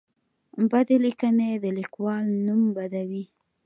بدې لیکنې د لیکوال نوم بدوي.